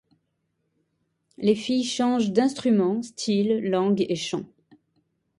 Les filles changent d’instruments, styles, langue et chant.